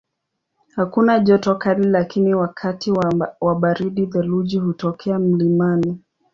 Hakuna joto kali lakini wakati wa baridi theluji hutokea mlimani.